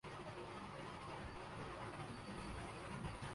ترغیب کے اثرات سے بیماریوں سے بھی چھٹکارا حاصل کیا جاسکتا ہے جیسے کینسر